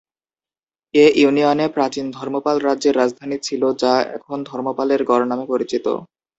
এ ইউনিয়নে প্রাচীন ধর্মপাল রাজ্যের রাজধানী ছিল যা এখন ধর্মপালের গড় নামে পরিচিতি।